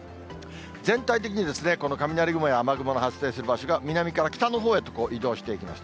全体的に、この雷雲や雨雲の発生する場所が、南から北のほうへと移動していきます。